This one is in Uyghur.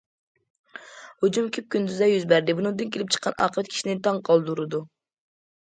ھۇجۇم كۈپ كۈندۈزدە يۈز بەردى، بۇنىڭدىن كېلىپ چىققان ئاقىۋەت كىشىنى تاڭ قالدۇرىدۇ.